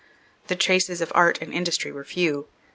The traces of art and industry were few.